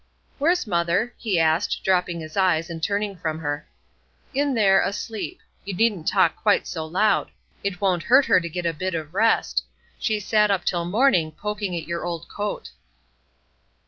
"Where's mother?" he asked, dropping his eyes, and turning from her. "In there, asleep. You needn't talk quite so loud; it won't hurt her to get a bit of rest. She sat up till morning, poking at your old coat."